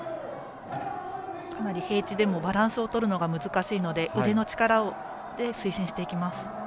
かなり平地でもバランスをとるのが難しいので腕の力で推進していきます。